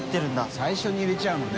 最初に入れちゃうのね。